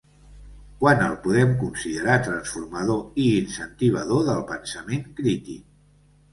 Quan el podem considerar transformador i incentivador del pensament crític?